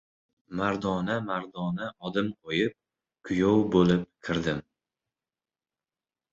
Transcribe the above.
Men mardona-mardona odim qo‘yib, kuyov bo‘lib kirdim.